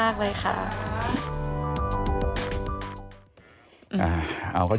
ขอบพระคุณมากเลยค่ะ